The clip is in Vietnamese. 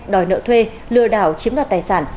đòi nợ thuê lừa đảo chiếm đoạt tài sản